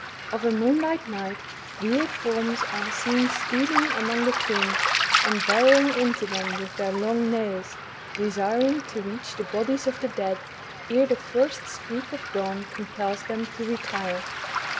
Of a moonlight night weird forms are seen stealing among the tombs, and burrowing into them with their long nails, desiring to reach the bodies of the dead ere the first streak of dawn compels them to retire.